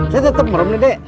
saya tetep merem nih deh